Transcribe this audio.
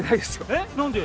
えっ何で？